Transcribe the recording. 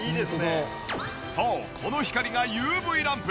そうこの光がＵＶランプ。